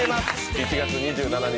１月２７日